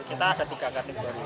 kita ada tiga kategori